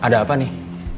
ki ada apa nih